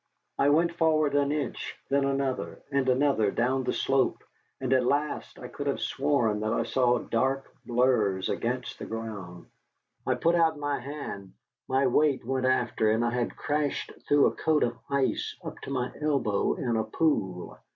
I went forward an inch, then another and another down the slope, and at last I could have sworn that I saw dark blurs against the ground. I put out my hand, my weight went after, and I had crashed through a coating of ice up to my elbow in a pool.